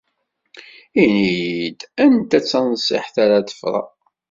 Ini-iyi-d anta tanṣiḥt ara ḍefreɣ.